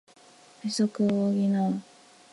不足を補う